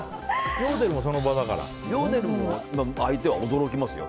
ヨーデルも相手は驚きますよ。